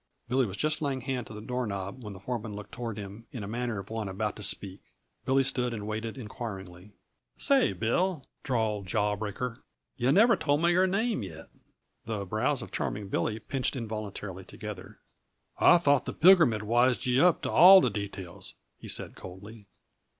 Billy was just laying hand to the door knob when the foreman looked toward him in the manner of one about to speak. Billy stood and waited inquiringly. "Say, Bill," drawled Jawbreaker, "yuh never told me her name, yet." The brows of Charming Billy pinched involuntarily together. "I thought the Pilgrim had wised yuh up to all the details," he said coldly.